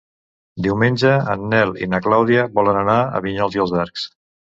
Diumenge en Nel i na Clàudia volen anar a Vinyols i els Arcs.